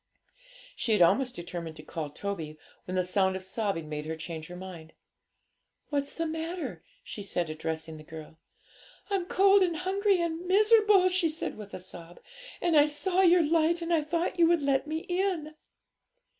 She had almost determined to call Toby, when the sound of sobbing made her change her mind. 'What's the matter?' she said, addressing the girl. 'I'm cold and hungry and miserable!' she said with a sob; 'and I saw your light, and I thought you would let me in.'